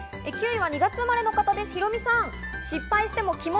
９位は２月生まれの方です、ヒロミさん。